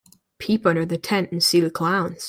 Peep under the tent and see the clowns.